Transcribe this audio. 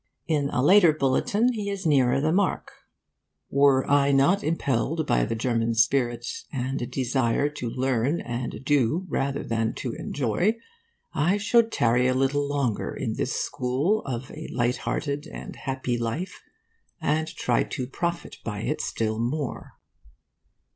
In a later bulletin he is nearer the mark: 'Were I not impelled by the German spirit, and desire to learn and do rather than to enjoy, I should tarry a little longer in this school of a light hearted and happy life, and try to profit by it still more.